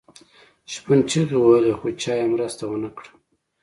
شپون چیغې وهلې خو چا یې مرسته ونه کړه.